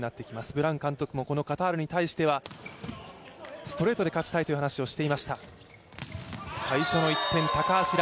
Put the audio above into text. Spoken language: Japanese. ブラン監督もこのカタールに関してはストレートで勝ちたいという話をしていました。